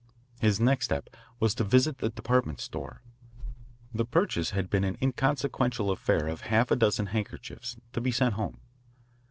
His next step was to visit the department store. The purchase had been an inconsequential affair of half a dozen handkerchiefs, to be sent home.